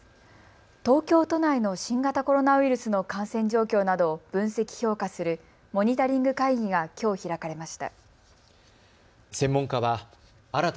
東京都内の新型コロナウイルスの感染状況などを分析・評価するモニタリング会議がきょう開かれました。